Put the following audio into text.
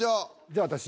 じゃあ私。